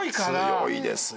強いですよ。